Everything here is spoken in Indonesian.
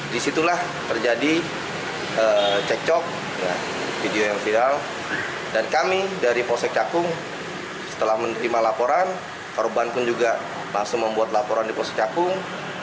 disitulah terjadi cekcok video yang viral dan kami dari polsek cakung setelah menerima laporan korban pun juga langsung membuat laporan di polsek cakung